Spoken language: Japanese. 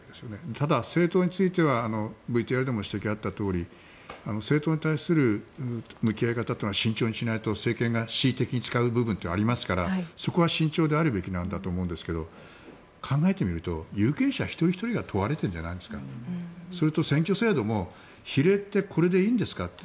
ただ、政党についてはＶＴＲでも指摘があったように政党に対する向き合い方は慎重にしないと政権が恣意的に使う部分というのはありますからそこは慎重であるべきなんだと思うんですけど考えてみると有権者一人ひとりが問われているんじゃないですかねそれと選挙制度も比例代表はこれでいいんですかと。